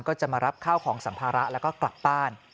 ก็จะมารับข้าวของสัมภาระแล้วก็กลับบ้าน